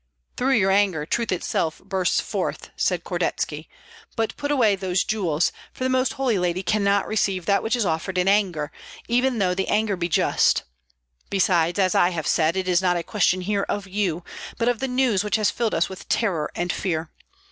"Through your anger truth itself bursts forth," said Kordetski; "but put away those jewels, for the Most Holy Lady cannot receive that which is offered in anger, even though the anger be just; besides, as I have said, it is not a question here of you, but of the news which has filled us with terror and fear.